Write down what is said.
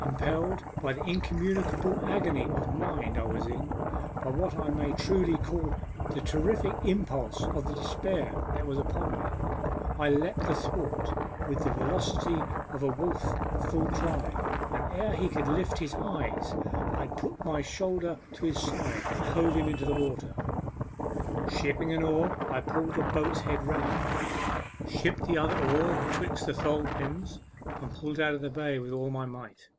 Impelled by the incommunicable agony of mind I was in, by what I may truly call the terrific impulse of the despair that was upon me, I leapt the thwart with the velocity of a wolf at full cry, and ere he could lift his eyes I had put my shoulder to his side, and hove him into the water. Shipping an oar, I pulled the boat's head round, shipped the other oar betwixt the thole pins, and pulled out of the bay with all my might.